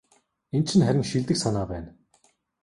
Энэ чинь харин шилдэг санаа байна.